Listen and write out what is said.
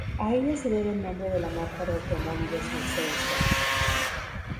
A ella se debe el nombre de la marca de automóviles Mercedes-Benz.